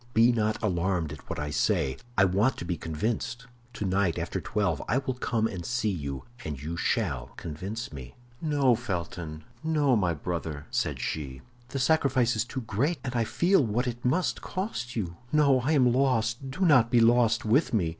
Be not alarmed at what I say; I want to be convinced. Tonight, after twelve, I will come and see you, and you shall convince me." "No, Felton, no, my brother," said she; "the sacrifice is too great, and I feel what it must cost you. No, I am lost; do not be lost with me.